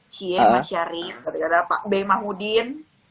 cie mas syarif ada pak b ma hudin